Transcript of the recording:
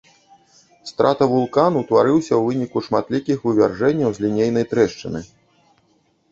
Стратавулкан утварыўся ў выніку шматлікіх вывяржэнняў з лінейнай трэшчыны.